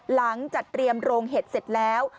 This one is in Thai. หลังจากเตรียมโรงเห็ดเสร็จแล้ว